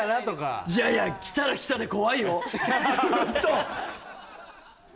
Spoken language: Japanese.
いやいやきたらきたで怖いよ